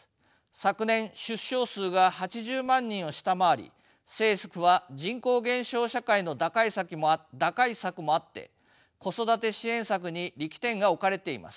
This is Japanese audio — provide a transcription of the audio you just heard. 昨年出生数が８０万人を下回り政府は人口減少社会の打開策もあって子育て支援策に力点が置かれています。